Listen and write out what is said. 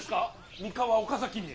三河岡崎に。